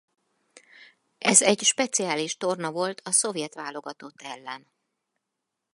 Ez egy speciális torna volt a szovjet válogatott ellen.